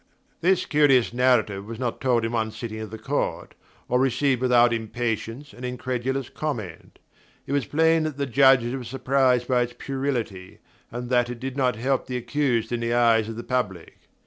This curious narrative was not told in one sitting of the court, or received without impatience and incredulous comment. It was plain that the Judges were surprised by its puerility, and that it did not help the accused in the eyes of the public.